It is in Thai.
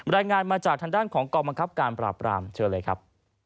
รายงานมาจากทางด้านของกองบังคับการปราบรามเชิญเลยครับ